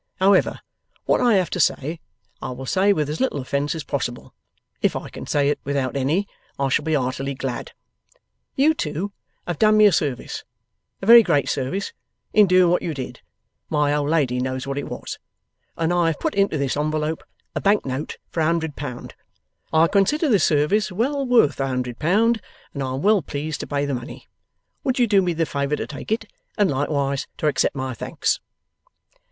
However, what I have to say, I will say with as little offence as possible; if I can say it without any, I shall be heartily glad. You two have done me a service, a very great service, in doing what you did (my old lady knows what it was), and I have put into this envelope a bank note for a hundred pound. I consider the service well worth a hundred pound, and I am well pleased to pay the money. Would you do me the favour to take it, and likewise to accept my thanks?